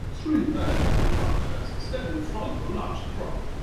Three men wearing hard hats stand in front of a large truck.